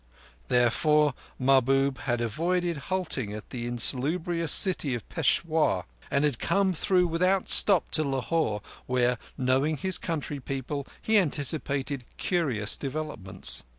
Therefore Mahbub had avoided halting at the insalubrious city of Peshawur, and had come through without stop to Lahore, where, knowing his country people, he anticipated curious developments.